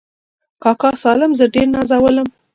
کاکا سالم زه ډېر نازولم.